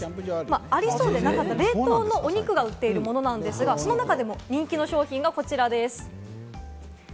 ありそうでなかった冷凍のお肉が売っているものなんですが、その中でも人気の商品がこちらです。